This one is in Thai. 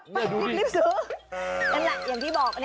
เนี่ยดูดิรีบซื้อนั่นแหละอย่างที่บอก